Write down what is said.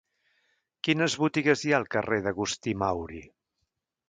Quines botigues hi ha al carrer d'Agustí Mauri?